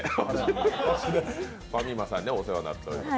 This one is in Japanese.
ファミマさんにはお世話になっております。